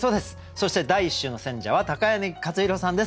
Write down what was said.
そして第１週の選者は柳克弘さんです。